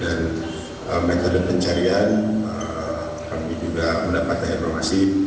dan metode pencarian kami juga mendapatkan informasi